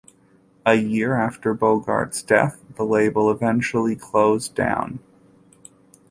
A year after Bogart's death, the label eventually closed down.